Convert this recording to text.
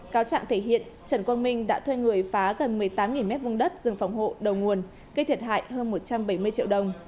cáo trạng thể hiện trần quang minh đã thuê người phá gần một mươi tám m hai đất rừng phòng hộ đầu nguồn gây thiệt hại hơn một trăm bảy mươi triệu đồng